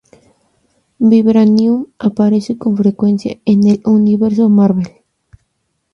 Vibranium aparece con frecuencia en el universo Marvel.